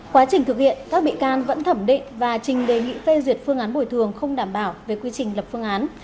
quá trình thực hiện các bị can vẫn thẩm định và trình đề nghị phê duyệt phương án bồi thường không đảm bảo về quy trình lập phương án